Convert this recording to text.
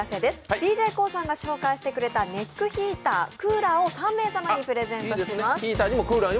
ＤＪＫＯＯさんが紹介してくれたネックヒーター・クーラーを３名様にプレゼントします。